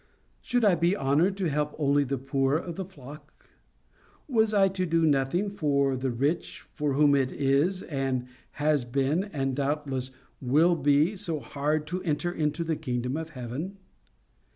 Should I be honoured to help only the poor of the flock? Was I to do nothing for the rich, for whom it is, and has been, and doubtless will be so hard to enter into the kingdom of heaven?